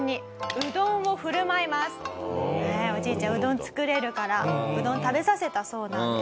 おじいちゃんうどん作れるからうどん食べさせたそうなんです。